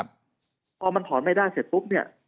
พอมันถอนไม่ได้เสร็จปุ๊บเนี่ย